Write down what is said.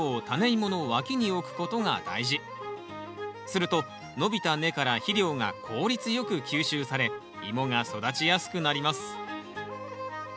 すると伸びた根から肥料が効率よく吸収されイモが育ちやすくなります。